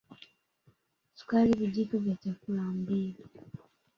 Sukari vijiko vya chakula mbili